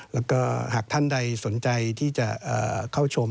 แล้วก็หากท่านใดสนใจที่จะเข้าชม